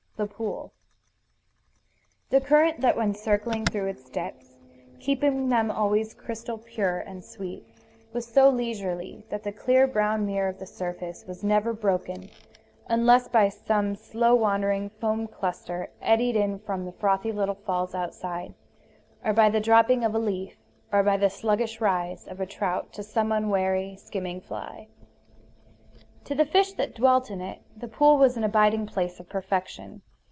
The Pool The current that went circling through its depths, keeping them always crystal pure and sweet, was so leisurely that the clear brown mirror of the surface was never broken, unless by some slow wandering foam cluster eddied in from the frothy little falls outside, or by the dropping of a leaf, or by the sluggish rise of a trout to some unwary skimming fly. To the fish that dwelt in it the pool was an abiding place of perfection.